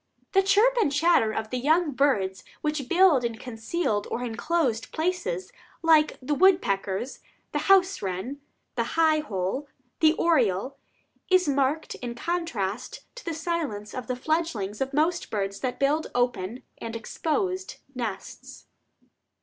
The chirp and chatter of the young of birds which build in concealed or inclosed places, like the woodpeckers, the house wren, the high hole, the oriole, is in marked contrast to the silence of the fledglings of most birds that build open and exposed nests.